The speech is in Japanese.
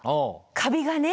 カビがね。